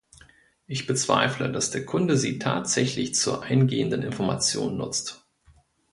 Ich bezweifle, dass der Kunde sie tatsächlich zur eingehenden Information nutzt.